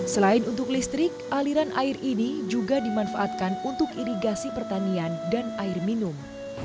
selain untuk listrik aliran air ini juga dimanfaatkan untuk irigasi pertanian dan air minum